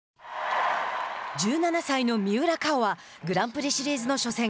１７歳の三浦佳生はグランプリシリーズの初戦。